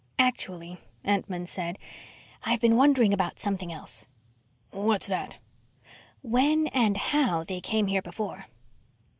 "Actually," Entman said, "I've been wondering about something else." "What's that?" "When and how they came here before."